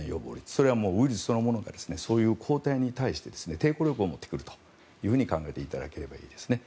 それはウイルスそのものが抗体に対して抵抗力を持ってくると考えていただければいいですね。